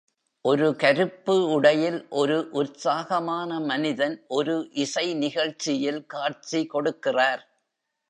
ஒரு கருப்பு உடையில் ஒரு உற்சாகமான மனிதன் ஒரு இசை நிகழ்ச்சியில் காட்சி கொடுக்கிறார்.